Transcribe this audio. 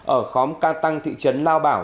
ở khóm ca tăng thị trấn lao bảo